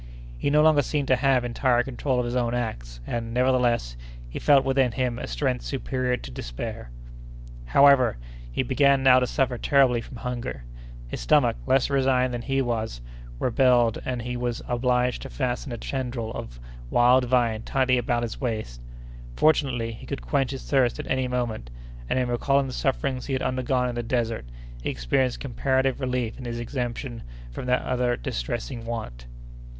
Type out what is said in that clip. He no longer seemed to have entire control of his own acts, and, nevertheless, he felt within him a strength superior to despair. However, he began now to suffer terribly from hunger. His stomach, less resigned than he was, rebelled, and he was obliged to fasten a tendril of wild vine tightly about his waist. Fortunately, he could quench his thirst at any moment, and, in recalling the sufferings he had undergone in the desert, he experienced comparative relief in his exemption from that other distressing want.